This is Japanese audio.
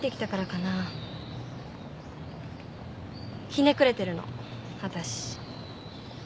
ひねくれてるのわたし。